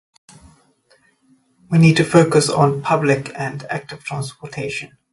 We need to focus on public and active transportation.